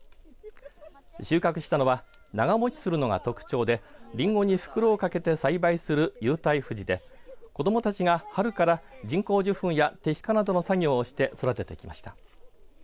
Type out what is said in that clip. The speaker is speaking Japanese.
収穫したのは長持ちするのが特徴でりんごに袋をかけて栽培する有袋ふじで子どもたちが春から人工授粉や摘果などの作業をして育ててきました。